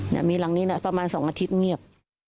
เนี่ยมีหลังนี้นะประมาณ๒อาทิตย์เงียบ